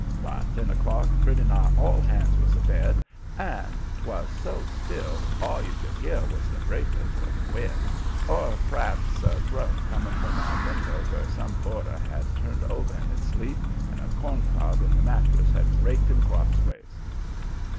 By ten o'clock pretty nigh all hands was abed, and 'twas so still all you could hear was the breakers or the wind, or p'raps a groan coming from a window where some boarder had turned over in his sleep and a corncob in the mattress had raked him crossways.